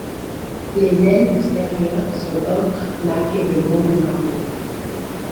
Les ailes postérieures sont ocre marquées de bandes marron.